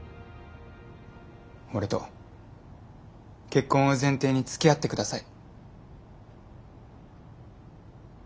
俺と結婚を前提につきあって下さい。